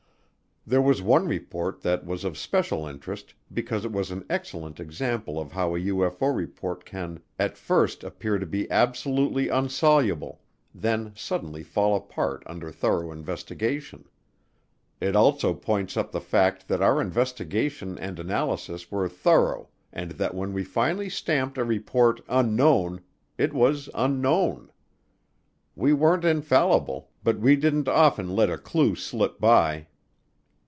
There was one report that was of special interest because it was an excellent example of how a UFO report can at first appear to be absolutely unsoluble then suddenly fall apart under thorough investigation. It also points up the fact that our investigation and analysis were thorough and that when we finally stamped a report "Unknown" it was unknown. We weren't infallible but we didn't often let a clue slip by.